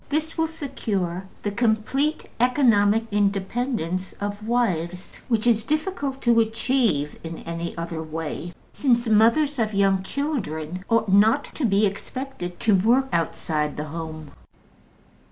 This will secure the complete economic independence of wives, which is difficult to achieve in any other way, since mothers of young children ought not to be expected to work outside the home.